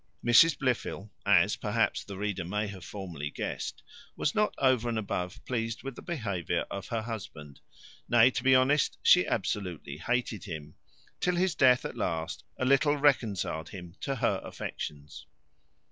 Mrs Blifil (as, perhaps, the reader may have formerly guessed) was not over and above pleased with the behaviour of her husband; nay, to be honest, she absolutely hated him, till his death at last a little reconciled him to her affections.